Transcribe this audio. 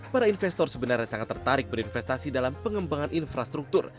para investor sebenarnya sangat tertarik berinvestasi dalam pengembangan infrastruktur